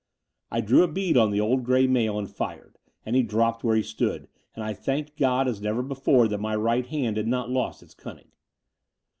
I drew a bead on the old grey male and fired, and he dropped where he stood; and I thanked God as never before that my right hand had not lost its cunning.